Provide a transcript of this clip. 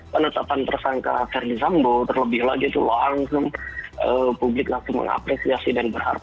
penetapan tersangka ferdinand sambo terlebih lagi langsung publik langsung mengapresiasi dan berharap